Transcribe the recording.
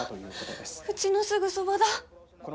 うちのすぐそばだ。